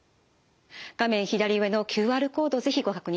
左上のＱＲコードを是非ご確認ください。